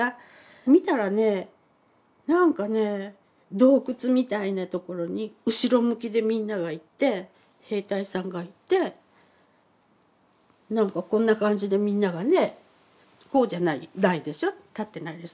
見たらね何かね洞窟みたいなところに後ろ向きでみんながいて兵隊さんがいて何かこんな感じでみんながね。こうじゃないないでしょ。立ってないです。